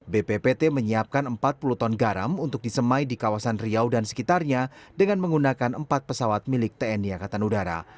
bppt menyiapkan empat puluh ton garam untuk disemai di kawasan riau dan sekitarnya dengan menggunakan empat pesawat milik tni angkatan udara